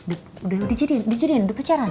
udah dijadian dijadian udah pacaran